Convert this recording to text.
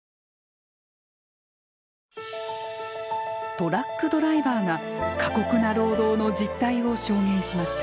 トラックドライバーが過酷な労働の実態を証明しました。